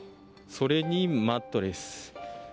それにマットレス。